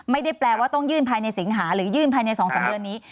ไม่ได้แปลว่าต้องยื่นภายในสิงหาหรือยื่นภายใน๒๓เดือนนี้